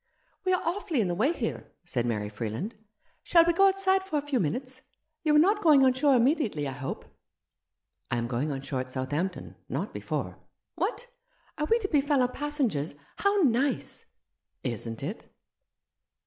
"We are awfully in the way here," said Mary Freeland. " Shall we go outside for a few minutes ? You are not going on shore immediately, I hope?" "I am going on shore at Southampton — not before !"" What, are we to be fellow passengers ? How nice !"" Isn't it